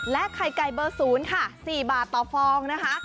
ไข่ไก่เบอร์๐ค่ะ๔บาทต่อฟองนะคะ